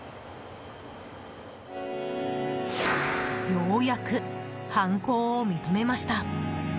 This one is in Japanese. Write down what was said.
ようやく犯行を認めました。